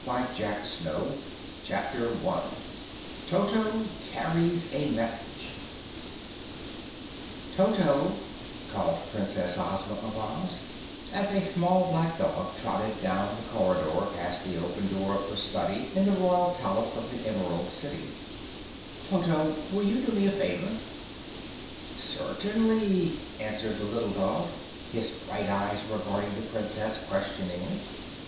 The Grand Banquet CHAPTER 1 Toto Carries a Message "Toto," called Princess Ozma of Oz, as a small black dog trotted down the corridor past the open door of her study in the Royal Palace of the Emerald City, "Toto, will you do me a favor?" "Certainly," answered the little dog, his bright eyes regarding the Princess questioningly.